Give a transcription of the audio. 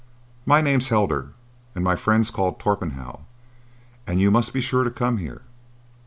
"My name's Heldar, and my friend's called Torpenhow; and you must be sure to come here.